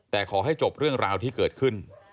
แต่ขอให้จบเรื่องราวที่เกิดขึ้น